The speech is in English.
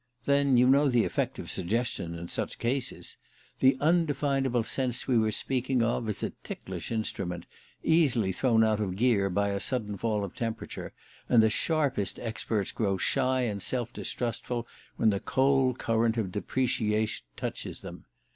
Then you know the effect of suggestion in such cases. The undefinable sense we were speaking of is a ticklish instrument, easily thrown out of gear by a sudden fall of temperature; and the sharpest experts grow shy and self distrustful when the cold current of depreciation touches them.